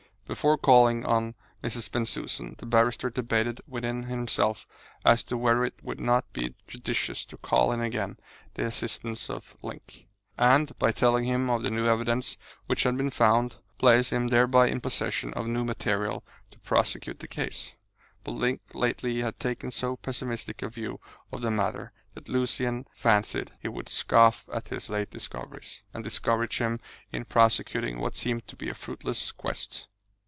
Before calling on Mrs. Bensusan the barrister debated within himself as to whether it would not be judicious to call in again the assistance of Link, and by telling him of the new evidence which had been found place him thereby in possession of new material to prosecute the case. But Link lately had taken so pessimistic a view of the matter that Lucian fancied he would scoff at his late discoveries, and discourage him in prosecuting what seemed to be a fruitless quest.